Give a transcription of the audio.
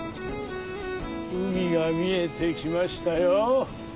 海が見えてきましたよ。